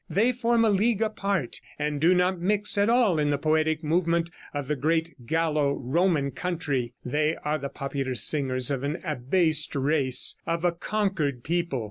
They form a league apart, and do not mix at all in the poetic movement of the great Gallo Roman country. They are the popular singers of an abased race, of a conquered people.